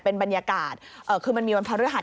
เป็นบรรยากาศคือมันมีวันพระฤหัส